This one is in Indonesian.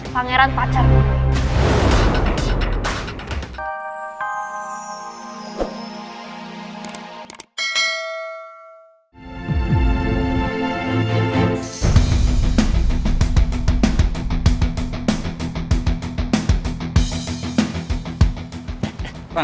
pangeran pacar gue